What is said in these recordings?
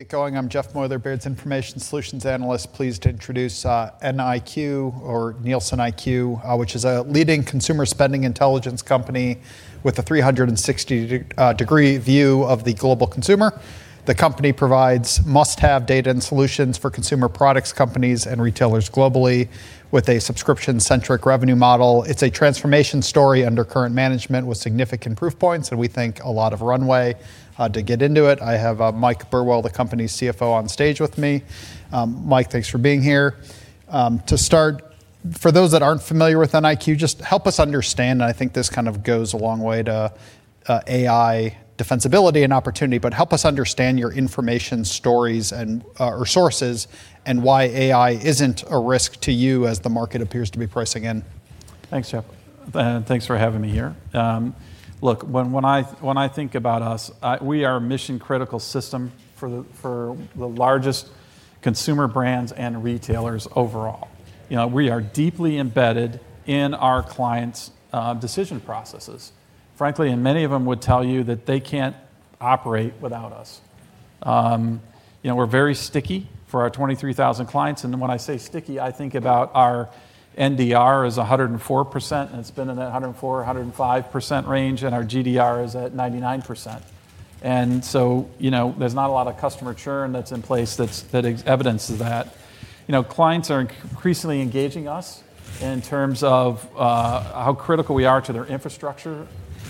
get going. I'm Jeffrey Meuler, Baird's Information Solutions Analyst. Pleased to introduce NIQ, or NielsenIQ, which is a leading consumer spending intelligence company with a 360-degree view of the global consumer. The company provides must-have data and solutions for consumer products companies and retailers globally, with a subscription-centric revenue model. It's a transformation story under current management with significant proof points, and we think a lot of runway. To get into it, I have Mike Burwell, the company's CFO, on stage with me. Mike, thanks for being here. To start, for those that aren't familiar with NIQ, just help us understand, and I think this kind of goes a long way to AI defensibility and opportunity, but help us understand your information stories or sources, and why AI isn't a risk to you as the market appears to be pricing in. Thanks, Jeff. Thanks for having me here. Look, when I think about us, we are a mission-critical system for the largest consumer brands and retailers overall. We are deeply embedded in our clients' decision processes, frankly, and many of them would tell you that they can't operate without us. We're very sticky for our 23,000 clients, and when I say sticky, I think about our NDR is 104%, and it's been in that 104, 105% range, and our GDR is at 99%. There's not a lot of customer churn that's in place that evidences that. Clients are increasingly engaging us in terms of how critical we are to their infrastructure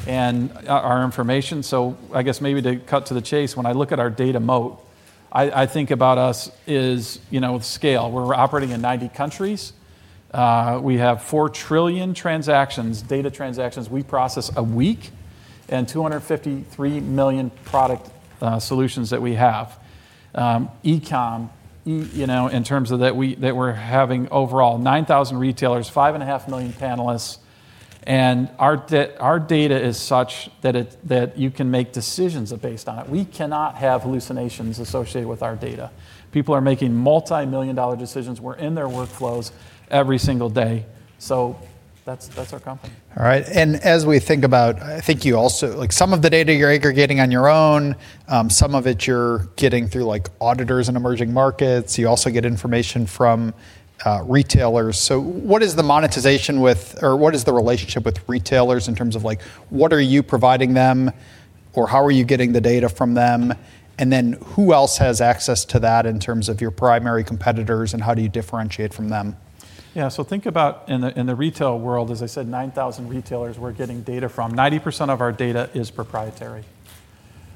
and our information. I guess maybe to cut to the chase, when I look at our data moat, I think about us is scale. We're operating in 90 countries. We have 4 trillion transactions, data transactions we process a week, and 253 million product solutions that we have. E-com, in terms of that we're having overall 9,000 retailers, 5.5 million panelists, and our data is such that you can make decisions based on it. We cannot have hallucinations associated with our data. People are making multi-million dollar decisions. We're in their workflows every single day. That's our company. All right. As we think about, some of the data you're aggregating on your own, some of it you're getting through auditors in emerging markets. You also get information from retailers. What is the monetization with, or what is the relationship with retailers in terms of what are you providing them, or how are you getting the data from them? Then who else has access to that in terms of your primary competitors, and how do you differentiate from them? Yeah. Think about in the retail world, as I said, 9,000 retailers we're getting data from. 90% of our data is proprietary.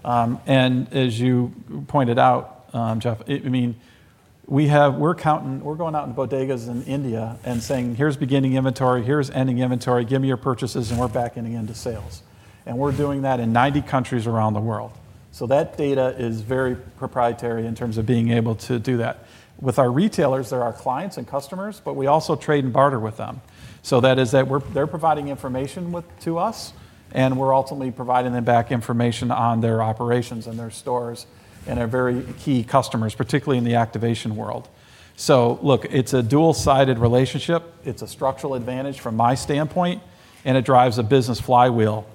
As you pointed out, Jeff, we're going out in bodegas in India and saying, "Here's beginning inventory, here's ending inventory, give me your purchases," and we're backing into sales. We're doing that in 90 countries around the world. That data is very proprietary in terms of being able to do that. With our retailers, they're our clients and customers, but we also trade and barter with them. That is that they're providing information to us, and we're ultimately providing them back information on their operations and their stores and are very key customers, particularly in the activation world. Look, it's a dual-sided relationship, it's a structural advantage from my standpoint, and it drives a business flywheel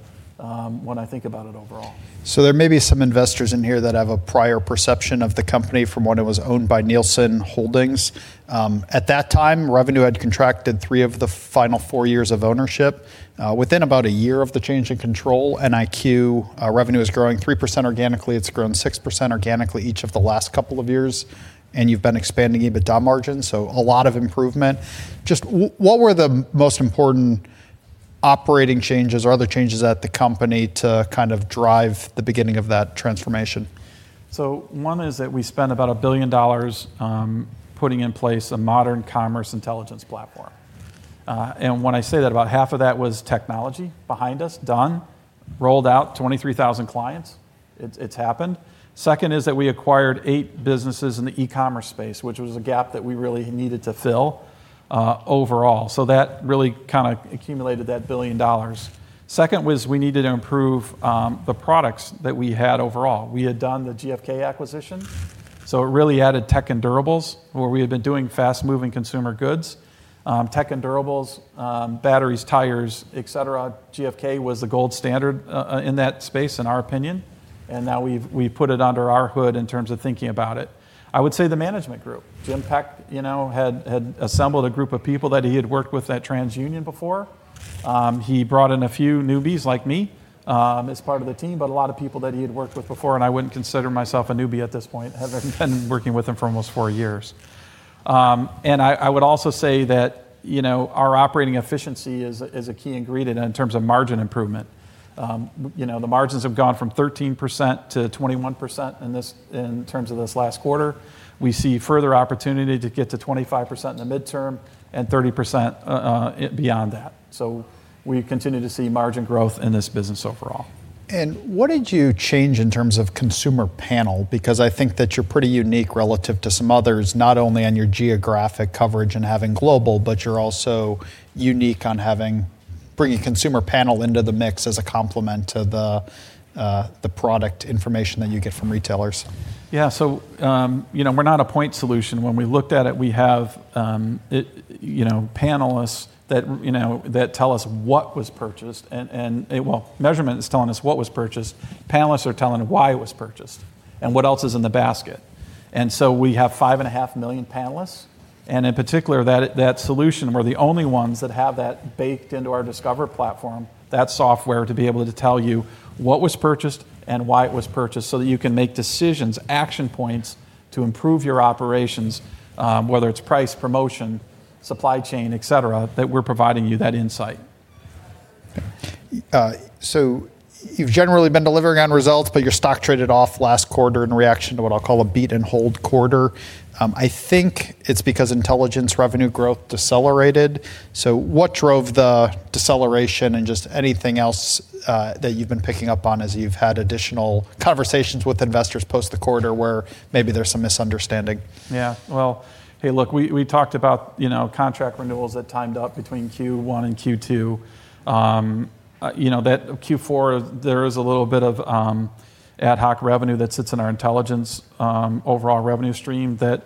when I think about it overall. There may be some investors in here that have a prior perception of the company from when it was owned by Nielsen Holdings. At that time, revenue had contracted three of the final four years of ownership. Within about a year of the change in control, NIQ revenue is growing 3% organically. It's grown 6% organically each of the last couple of years, and you've been expanding EBITDA margins. A lot of improvement. Just what were the most important operating changes or other changes at the company to kind of drive the beginning of that transformation? One is that we spent about $1 billion putting in place a modern commerce intelligence platform. When I say that, about half of that was technology behind us, done, rolled out to 23,000 clients. It's happened. Second is that we acquired eight businesses in the e-commerce space, which was a gap that we really needed to fill overall. That really kind of accumulated that $1 billion. Second was we needed to improve the products that we had overall. We had done the GfK acquisition, so it really added tech and durables, where we had been doing fast-moving consumer goods. Tech and durables, batteries, tires, et cetera, GfK was the gold standard in that space, in our opinion, and now we've put it under our hood in terms of thinking about it. I would say the management group. James Peck had assembled a group of people that he had worked with at TransUnion before. He brought in a few newbies like me as part of the team, but a lot of people that he had worked with before, and I wouldn't consider myself a newbie at this point, having been working with him for almost four years. I would also say that our operating efficiency is a key ingredient in terms of margin improvement. The margins have gone from 13% - 21% in terms of this last quarter. We see further opportunity to get to 25% in the midterm and 30% beyond that. We continue to see margin growth in this business overall. What did you change in terms of consumer panel? Because I think that you're pretty unique relative to some others, not only on your geographic coverage and having global, but you're also unique on bringing consumer panel into the mix as a complement to the product information that you get from retailers. We're not a point solution. When we looked at it, we have panelists that tell us what was purchased and, well, measurement is telling us what was purchased. Panelists are telling why it was purchased and what else is in the basket. We have 5.5 million panelists. In particular, that solution, we're the only ones that have that baked into our Discover platform, that software to be able to tell you what was purchased and why it was purchased, so that you can make decisions, action points, to improve your operations, whether it's price, promotion, supply chain, et cetera, that we're providing you that insight. You've generally been delivering on results, but your stock traded off last quarter in reaction to what I'll call a beat-and-hold quarter. I think it's because intelligence revenue growth decelerated. What drove the deceleration? Just anything else that you've been picking up on as you've had additional conversations with investors post the quarter where maybe there's some misunderstanding. Yeah. Well, hey, look, we talked about contract renewals that timed up between Q1 and Q2. Q4, there is a little bit of ad hoc revenue that sits in our intelligence overall revenue stream that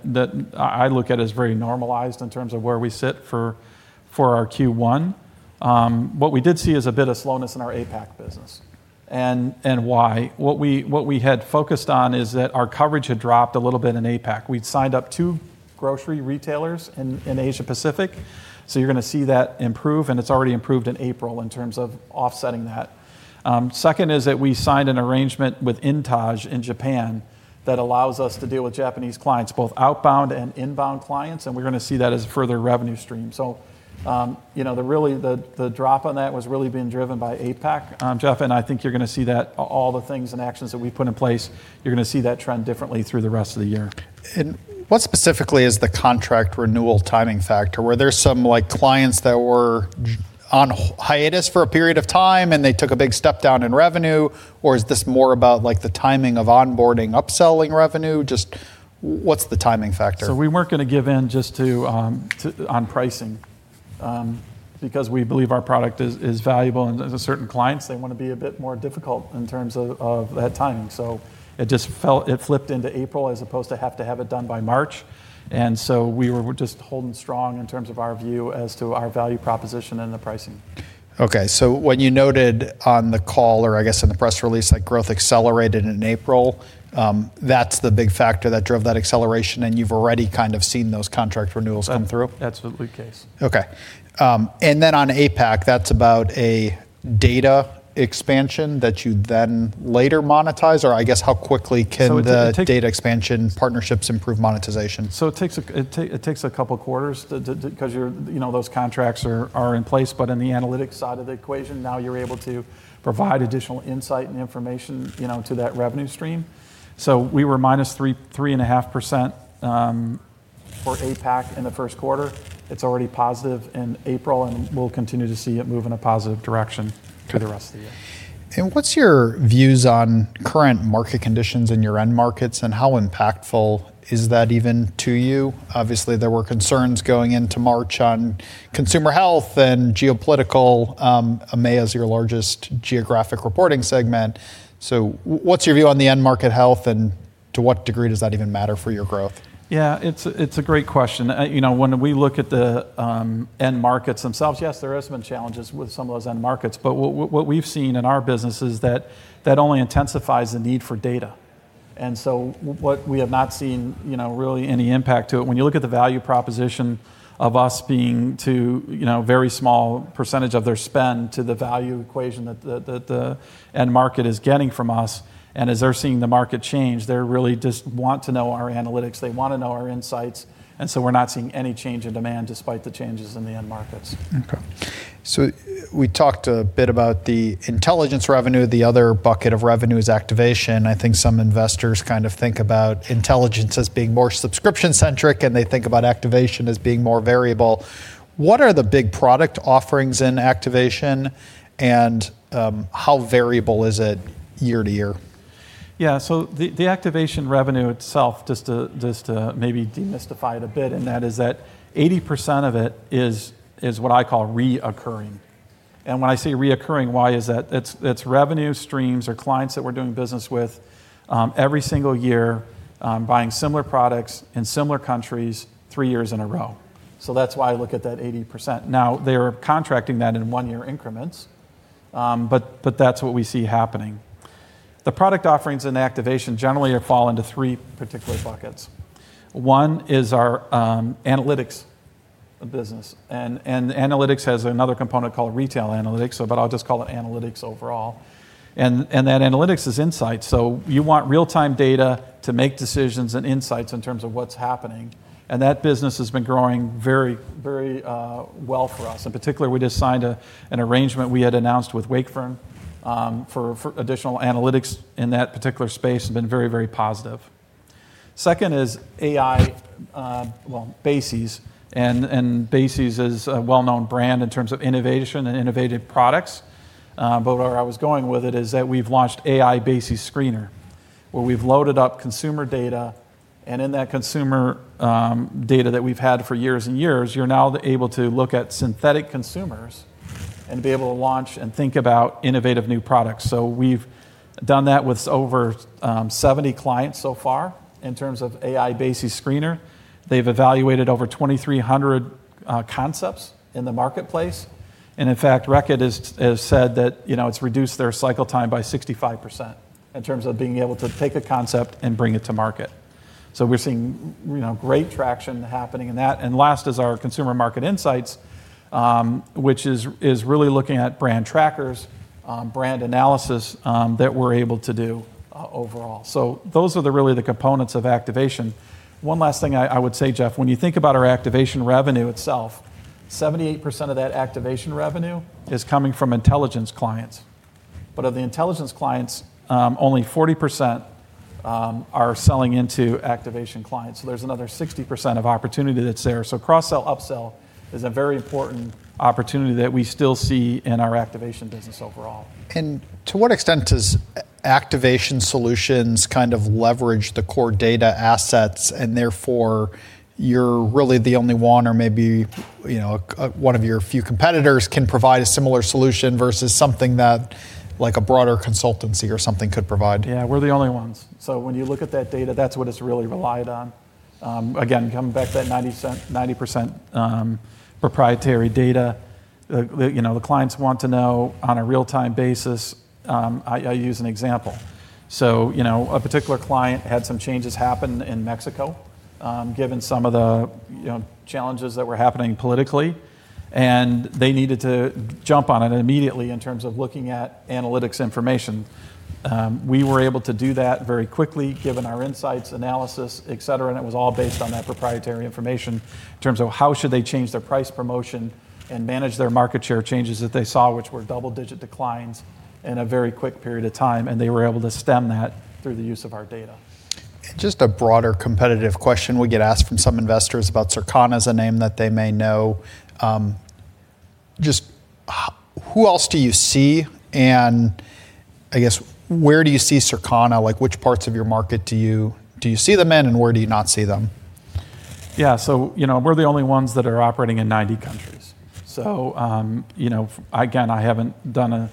I look at as very normalized in terms of where we sit for our Q1. What we did see is a bit of slowness in our APAC business. Why? What we had focused on is that our coverage had dropped a little bit in APAC. We'd signed up two grocery retailers in Asia Pacific. You're going to see that improve, and it's already improved in April in terms of offsetting that. Second is that we signed an arrangement with INTAGE in Japan that allows us to deal with Japanese clients, both outbound and inbound clients, and we're going to see that as a further revenue stream. The drop on that was really being driven by APAC, Jeff, and I think you're going to see that all the things and actions that we put in place, you're going to see that trend differently through the rest of the year. What specifically is the contract renewal timing factor? Were there some clients that were on hiatus for a period of time, and they took a big step down in revenue? Is this more about the timing of onboarding upselling revenue? Just what's the timing factor? We weren't going to give in just on pricing, because we believe our product is valuable. There's certain clients, they want to be a bit more difficult in terms of that timing. It flipped into April as opposed to have to have it done by March. We were just holding strong in terms of our view as to our value proposition and the pricing. Okay. What you noted on the call, or I guess in the press release, like growth accelerated in April, that's the big factor that drove that acceleration and you've already kind of seen those contract renewals come through? Absolutely the case. Okay. On APAC, that's about a data expansion that you then later monetize, or I guess how quickly can? So it takes- data expansion partnerships improve monetization? It takes a couple quarters because those contracts are in place. In the analytics side of the equation, now you're able to provide additional insight and information to that revenue stream. We were minus 3.5% for APAC in the first quarter. It's already positive in April, and we'll continue to see it move in a positive direction through the rest of the year. What's your views on current market conditions in your end markets, and how impactful is that even to you? Obviously, there were concerns going into March on consumer health and geopolitical. EMEA's your largest geographic reporting segment. What's your view on the end market health, and to what degree does that even matter for your growth? Yeah. It's a great question. When we look at the end markets themselves, yes, there has been challenges with some of those end markets. What we've seen in our business is that only intensifies the need for data. What we have not seen really any impact to it, when you look at the value proposition of us being to very small percentage of their spend to the value equation that the end market is getting from us. As they're seeing the market change, they really just want to know our analytics. They want to know our insights. We're not seeing any change in demand despite the changes in the end markets. Okay. We talked a bit about the intelligence revenue. The other bucket of revenue is activation. I think some investors kind of think about intelligence as being more subscription centric, and they think about activation as being more variable. What are the big product offerings in activation, and how variable is it year-to-year? The activation revenue itself, just to maybe demystify it a bit, and that is that 80% of it is what I call recurring. When I say recurring, why is that? It's revenue streams or clients that we're doing business with every single year, buying similar products in similar countries three years in a row. That's why I look at that 80%. Now, they're contracting that in one-year increments, but that's what we see happening. The product offerings in activation generally fall into three particular buckets. One is our analytics business, and analytics has another component called retail analytics, but I'll just call it analytics overall. That analytics is insight. You want real-time data to make decisions and insights in terms of what's happening. That business has been growing very well for us. In particular, we just signed an arrangement we had announced with Wakefern, for additional analytics in that particular space, and been very, very positive. Second is AI, well, BASES. BASES is a well-known brand in terms of innovation and innovative products. Where I was going with it is that we've launched BASES AI Screener, where we've loaded up consumer data, and in that consumer data that we've had for years and years, you're now able to look at synthetic consumers and be able to launch and think about innovative new products. We've done that with over 70 clients so far in terms of BASES AI Screener. They've evaluated over 2,300 concepts in the marketplace. In fact, Reckitt has said that it's reduced their cycle time by 65% in terms of being able to take a concept and bring it to market. We're seeing great traction happening in that. Last is our consumer market insights, which is really looking at brand trackers, brand analysis that we're able to do overall. Those are really the components of activation. One last thing I would say, Jeff, when you think about our activation revenue itself, 78% of that activation revenue is coming from intelligence clients. Of the intelligence clients, only 40% are selling into activation clients. There's another 60% of opportunity that's there. Cross-sell, upsell is a very important opportunity that we still see in our activation business overall. To what extent does activation solutions kind of leverage the core data assets and therefore you're really the only one, or maybe one of your few competitors can provide a similar solution versus something that like a broader consultancy or something could provide? Yeah, we're the only ones. When you look at that data, that's what it's really relied on. Again, coming back to that 90% proprietary data. The clients want to know on a real-time basis, I use an example. A particular client had some changes happen in Mexico, given some of the challenges that were happening politically, and they needed to jump on it immediately in terms of looking at analytics information. We were able to do that very quickly given our insights, analysis, et cetera, and it was all based on that proprietary information in terms of how should they change their price promotion and manage their market share changes that they saw, which were double-digit declines in a very quick period of time, and they were able to stem that through the use of our data. Just a broader competitive question we get asked from some investors about Circana as a name that they may know. Just who else do you see, and I guess where do you see Circana, like which parts of your market do you see them in and where do you not see them? Yeah. We're the only ones that are operating in 90 countries. Again, I haven't done a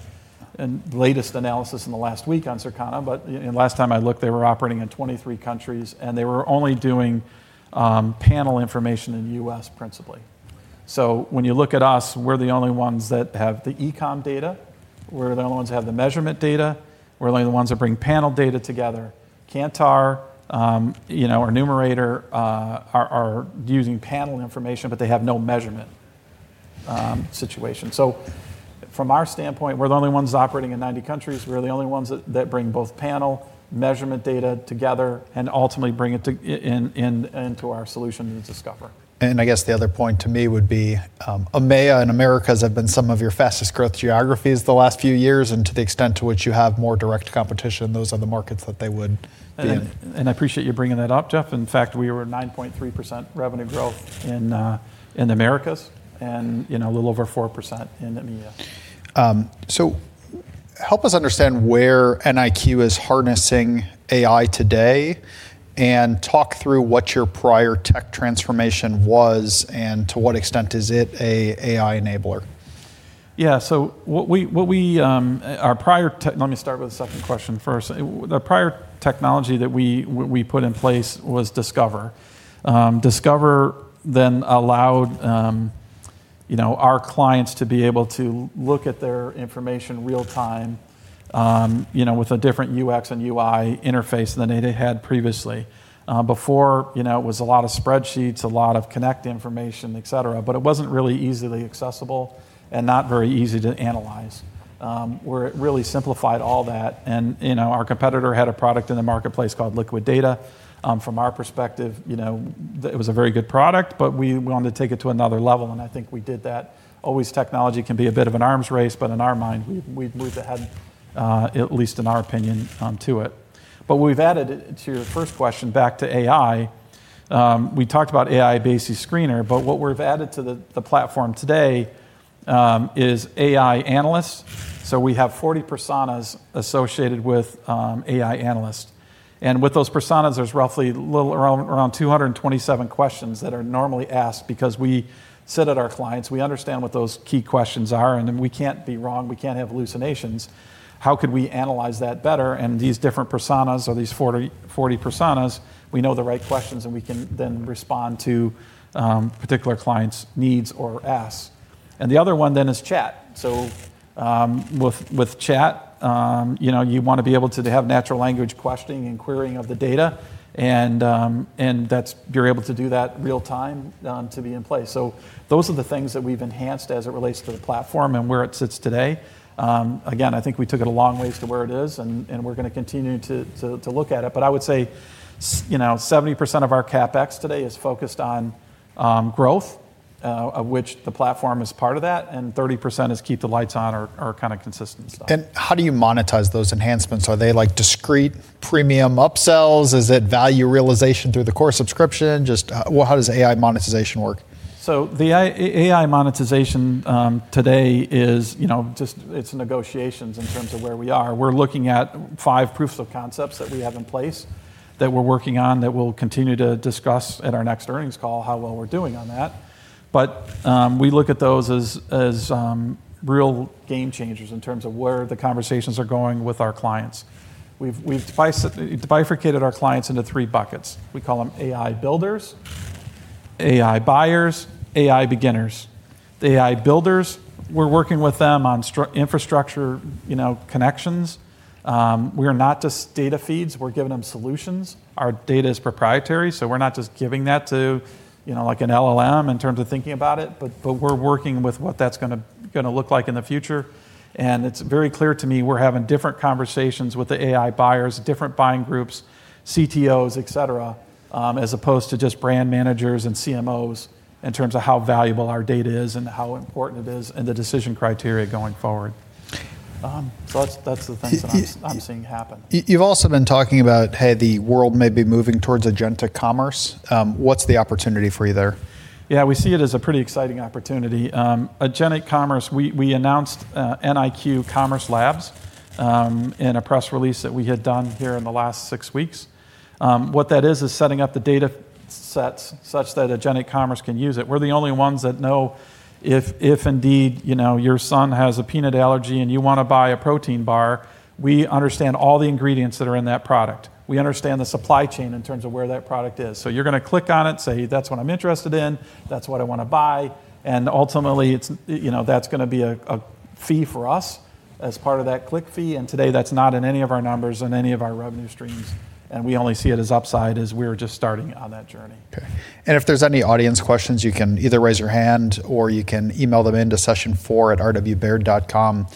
latest analysis in the last week on Circana, but last time I looked, they were operating in 23 countries, and they were only doing panel information in the U.S. principally. When you look at us, we're the only ones that have the e-com data. We're the only ones that have the measurement data. We're the only ones that bring panel data together. Kantar, Numerator, are using panel information, but they have no measurement situation. From our standpoint, we're the only ones operating in 90 countries. We're the only ones that bring both panel measurement data together and ultimately bring it into our solution in Discover. I guess the other point to me would be, EMEA and Americas have been some of your fastest growth geographies the last few years, and to the extent to which you have more direct competition, those are the markets that they would be in. I appreciate you bringing that up, Jeff. In fact, we were 9.3% revenue growth in the Americas and a little over 4% in EMEA. Help us understand where NIQ is harnessing AI today and talk through what your prior tech transformation was and to what extent is it a AI enabler? Yeah. Let me start with the second question first. The prior technology that we put in place was NIQ Discover. NIQ Discover allowed our clients to be able to look at their information real time with a different UX and UI interface than they had previously. Before, it was a lot of spreadsheets, a lot of connect information, et cetera, it wasn't really easily accessible and not very easy to analyze. Where it really simplified all that, our competitor had a product in the marketplace called Liquid Data. From our perspective, it was a very good product, we wanted to take it to another level, I think we did that. Always technology can be a bit of an arms race, in our mind, we've moved ahead, at least in our opinion, to it. We've added to your first question back to AI. We talked about AI-based screener, but what we've added to the platform today is AI analysts. We have 40 personas associated with AI analysts. With those personas, there's roughly around 227 questions that are normally asked because we sit at our clients, we understand what those key questions are, and then we can't be wrong, we can't have hallucinations. How could we analyze that better? These different personas or these 40 personas, we know the right questions, and we can then respond to particular clients' needs or asks. The other one is chat. With chat, you want to be able to have natural language questioning and querying of the data, and you're able to do that real time to be in place. Those are the things that we've enhanced as it relates to the platform and where it sits today. Again, I think we took it a long ways to where it is, and we're going to continue to look at it. I would say 70% of our CapEx today is focused on growth, of which the platform is part of that, and 30% is keep the lights on or kind of consistent stuff. How do you monetize those enhancements? Are they like discrete premium upsells? Is it value realization through the core subscription? Just how does AI monetization work? The AI monetization today is just, it's negotiations in terms of where we are. We're looking at five proofs of concepts that we have in place that we're working on, that we'll continue to discuss at our next earnings call how well we're doing on that. We look at those as real game changers in terms of where the conversations are going with our clients. We've bifurcated our clients into three buckets. We call them AI builders, AI buyers, AI beginners. The AI builders, we're working with them on infrastructure connections. We are not just data feeds. We're giving them solutions. Our data is proprietary, so we're not just giving that to an LLM in terms of thinking about it, but we're working with what that's going to look like in the future. It's very clear to me, we're having different conversations with the AI buyers, different buying groups, CTOs, et cetera, as opposed to just brand managers and CMOs in terms of how valuable our data is and how important it is and the decision criteria going forward. That's the things that I'm seeing happen. You've also been talking about how the world may be moving towards agentic commerce. What's the opportunity for you there? Yeah, we see it as a pretty exciting opportunity. Agentic commerce, we announced NIQ Commerce Labs in a press release that we had done here in the last six weeks. What that is setting up the data sets such that agentic commerce can use it. We're the only ones that know if indeed, your son has a peanut allergy and you want to buy a protein bar, we understand all the ingredients that are in that product. We understand the supply chain in terms of where that product is. You're going to click on it, say, "That's what I'm interested in. That's what I want to buy." Ultimately, that's going to be a fee for us as part of that click fee, and today that's not in any of our numbers, in any of our revenue streams. We only see it as upside as we are just starting on that journey. Okay. If there's any audience questions, you can either raise your hand or you can email them in to session4@baird.com.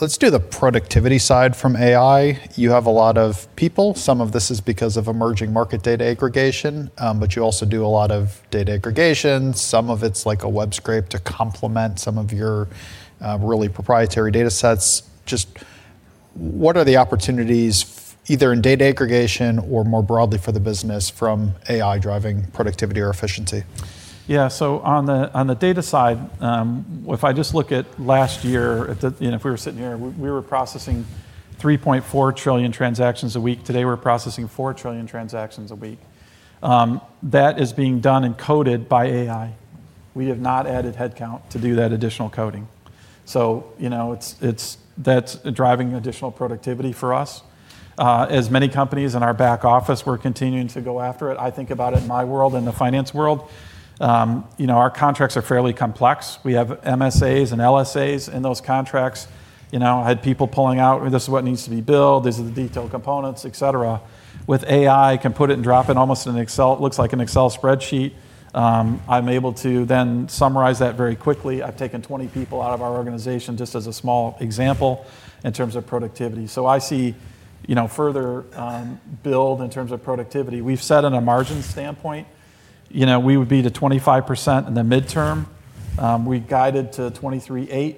Let's do the productivity side from AI. You have a lot of people. Some of this is because of emerging market data aggregation, but you also do a lot of data aggregation. Some of it's like a web scrape to complement some of your really proprietary data sets. What are the opportunities either in data aggregation or more broadly for the business from AI driving productivity or efficiency? Yeah. On the data side, if I just look at last year, if we were sitting here, we were processing 3.4 trillion transactions a week. Today, we're processing 4 trillion transactions a week. That is being done and coded by AI. We have not added headcount to do that additional coding. That's driving additional productivity for us. As many companies in our back office, we're continuing to go after it. I think about it in my world, in the finance world. Our contracts are fairly complex. We have MSAs and LSAs in those contracts. I had people pulling out, this is what needs to be billed, this is the detailed components, et cetera. With AI, can put it and drop it almost in an Excel, looks like an Excel spreadsheet. I'm able to then summarize that very quickly. I've taken 20 people out of our organization just as a small example in terms of productivity. I see further build in terms of productivity. We've said in a margin standpoint, we would be to 25% in the midterm. We guided to 23.8%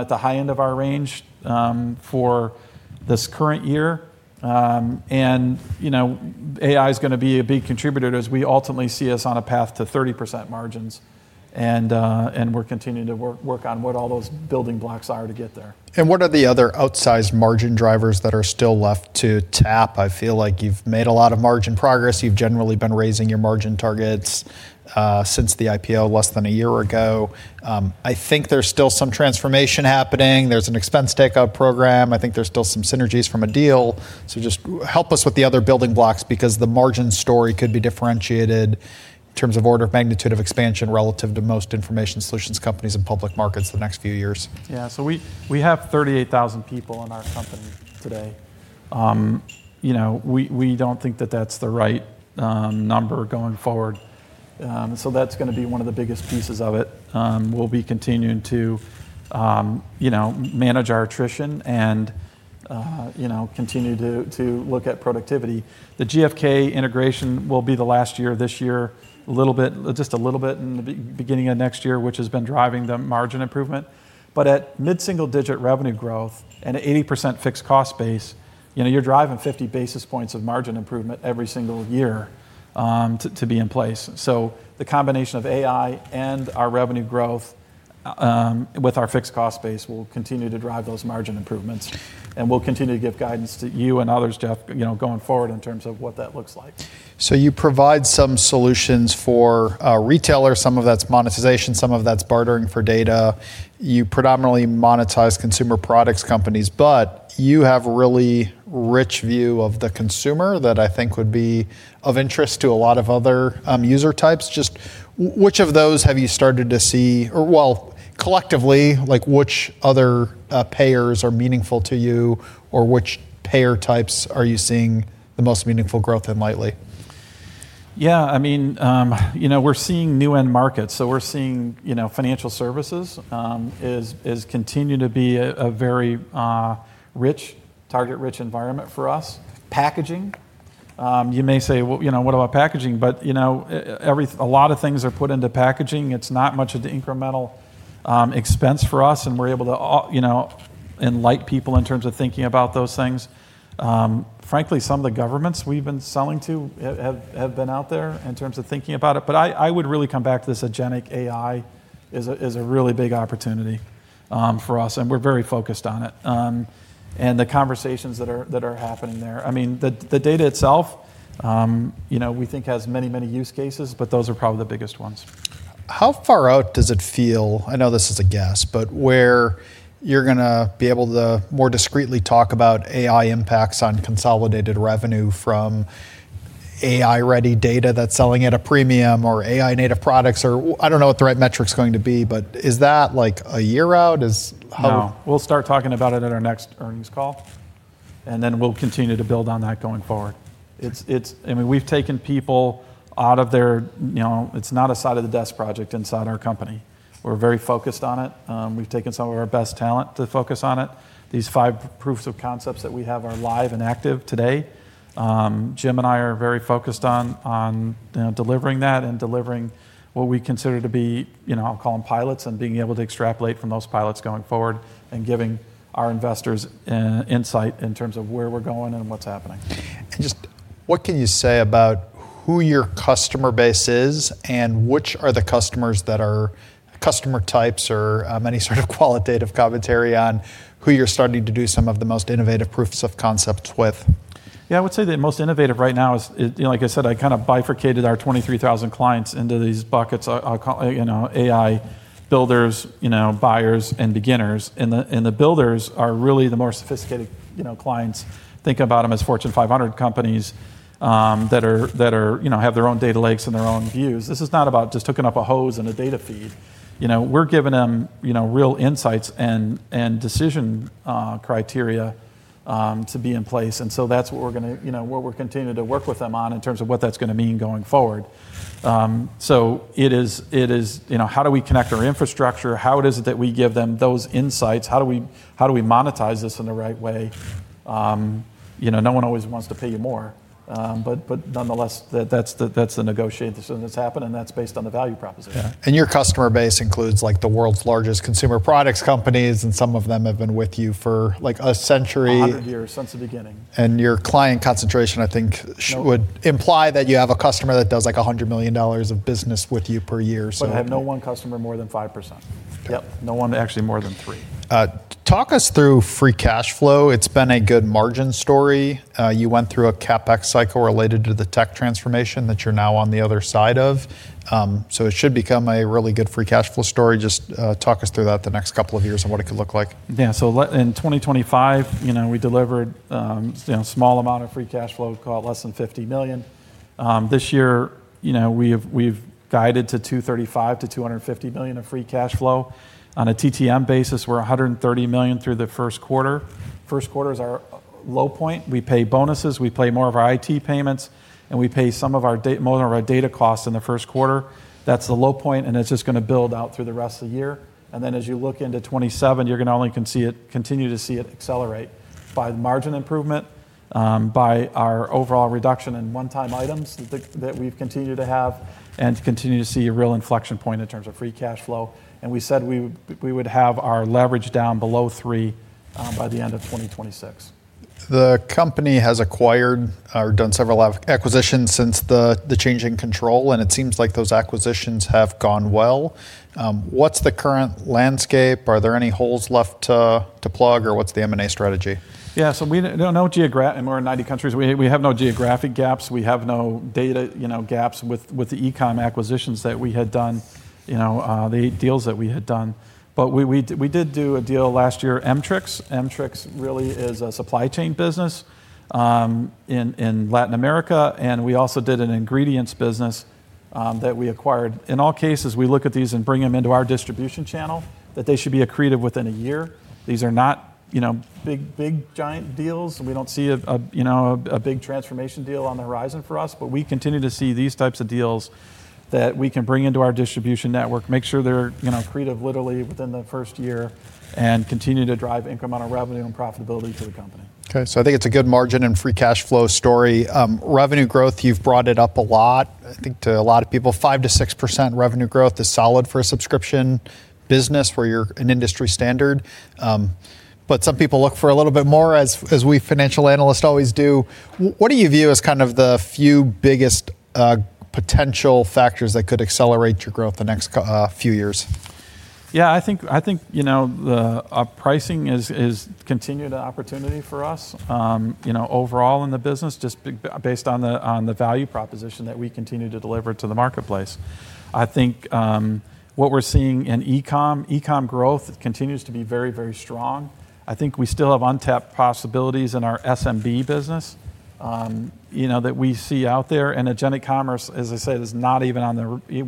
at the high end of our range for this current year. AI is going to be a big contributor as we ultimately see us on a path to 30% margins. We're continuing to work on what all those building blocks are to get there. What are the other outsized margin drivers that are still left to tap? I feel like you've made a lot of margin progress. You've generally been raising your margin targets since the IPO less than one year ago. I think there's still some transformation happening. There's an expense takeout program. I think there's still some synergies from a deal. Just help us with the other building blocks because the margin story could be differentiated in terms of order of magnitude of expansion relative to most information solutions companies in public markets the next few years. Yeah. We have 38,000 people in our company today. We don't think that that's the right number going forward. That's going to be one of the biggest pieces of it. We'll be continuing to manage our attrition and continue to look at productivity. The GfK integration will be the last year this year, just a little bit in the beginning of next year, which has been driving the margin improvement. At mid-single-digit revenue growth and an 80% fixed cost base, you're driving 50 basis points of margin improvement every single year to be in place. The combination of AI and our revenue growth with our fixed cost base will continue to drive those margin improvements, and we'll continue to give guidance to you and others, Jeff, going forward in terms of what that looks like. You provide some solutions for retailers. Some of that's monetization, some of that's bartering for data. You predominantly monetize consumer products companies, but you have a really rich view of the consumer that I think would be of interest to a lot of other user types. Just which of those have you started to see, or well, collectively, which other payers are meaningful to you or which payer types are you seeing the most meaningful growth in lately? Yeah. We're seeing new end markets. We're seeing financial services is continuing to be a very target-rich environment for us. Packaging. You may say, "Well, what about packaging?" A lot of things are put into packaging. It's not much of the incremental expense for us, and we're able to enlighten people in terms of thinking about those things. Frankly, some of the governments we've been selling to have been out there in terms of thinking about it. I would really come back to this agentic AI is a really big opportunity for us, and we're very focused on it. The conversations that are happening there. The data itself we think has many, many use cases, but those are probably the biggest ones. How far out does it feel? I know this is a guess, but where you're going to be able to more discreetly talk about AI impacts on consolidated revenue from AI-ready data that's selling at a premium, or AI native products, or I don't know what the right metric's going to be. Is that like a year out? No. We'll start talking about it at our next earnings call, and then we'll continue to build on that going forward. It's not a side of the desk project inside our company. We're very focused on it. We've taken some of our best talent to focus on it. These five proofs of concepts that we have are live and active today. Jim and I are very focused on delivering that and delivering what we consider to be, I'll call them pilots, and being able to extrapolate from those pilots going forward and giving our investors insight in terms of where we're going and what's happening. Just what can you say about who your customer base is, and which are the customers that are customer types or any sort of qualitative commentary on who you're starting to do some of the most innovative proofs of concepts with? Yeah. I would say the most innovative right now is, like I said, I kind of bifurcated our 23,000 clients into these buckets. I'll call AI Builders, Buyers, and Beginners. The Builders are really the more sophisticated clients. Think about them as Fortune 500 companies that have their own data lakes and their own views. This is not about just hooking up a hose and a data feed. We're giving them real insights and decision criteria to be in place. That's what we're continuing to work with them on in terms of what that's going to mean going forward. It is how do we connect our infrastructure? How it is that we give them those insights? How do we monetize this in the right way? No one always wants to pay you more. Nonetheless, that's the negotiation that's happened, and that's based on the value proposition. Yeah. Your customer base includes the world's largest consumer products companies, and some of them have been with you for a century. 100 years since the beginning. Your client concentration. No would imply that you have a customer that does $100 million of business with you per year. I have no one customer more than 5%. Okay. Yep. No one actually more than three. Talk us through free cash flow. It's been a good margin story. You went through a CapEx cycle related to the tech transformation that you're now on the other side of. It should become a really good free cash flow story. Just talk us through that the next couple of years and what it could look like. Yeah. In 2025, we delivered a small amount of free cash flow, call it less than $50 million. This year, we've guided to $235 million-$250 million of free cash flow. On a TTM basis, we're $130 million through the first quarter. First quarter is our low point. We pay bonuses, we pay more of our IT payments, and we pay some more of our data costs in the first quarter. That's the low point, and it's just going to build out through the rest of the year. As you look into 2027, you're going to only continue to see it accelerate by margin improvement, by our overall reduction in one-time items that we've continued to have, and to continue to see a real inflection point in terms of free cash flow. We said we would have our leverage down below three by the end of 2026. The company has acquired or done several acquisitions since the change in control, and it seems like those acquisitions have gone well. What's the current landscape? Are there any holes left to plug, or what's the M&A strategy? Yeah. We're in 90 countries. We have no geographic gaps. We have no data gaps with the e-commerce acquisitions that we had done, the deals that we had done. We did do a deal last year, Mtrix. Mtrix really is a supply chain business in Latin America, and we also did an ingredients business that we acquired. In all cases, we look at these and bring them into our distribution channel, that they should be accretive within a year. These are not big, giant deals. We don't see a big transformation deal on the horizon for us. We continue to see these types of deals that we can bring into our distribution network, make sure they're accretive literally within the first year, and continue to drive incremental revenue and profitability to the company. Okay, I think it's a good margin and free cash flow story. Revenue growth, you've brought it up a lot, I think to a lot of people, 5%-6% revenue growth is solid for a subscription business where you're an industry standard. Some people look for a little bit more as we financial analysts always do. What do you view as kind of the few biggest potential factors that could accelerate your growth the next few years? Yeah. I think our pricing is continued opportunity for us. Overall in the business, just based on the value proposition that we continue to deliver to the marketplace. I think what we're seeing in e-commerce, e-commerce growth continues to be very, very strong. I think we still have untapped possibilities in our SMB business that we see out there. Agentic commerce, as I said, we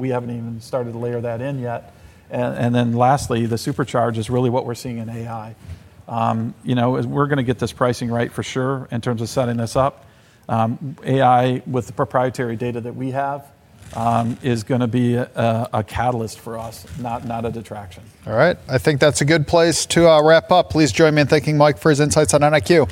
haven't even started to layer that in yet. Lastly, the supercharge is really what we're seeing in AI. We're going to get this pricing right for sure in terms of setting this up. AI with the proprietary data that we have is going to be a catalyst for us, not a detraction. All right. I think that's a good place to wrap up. Please join me in thanking Mike for his insights on NIQ.